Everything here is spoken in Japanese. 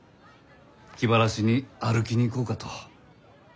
気晴らしに歩きに行こうかと。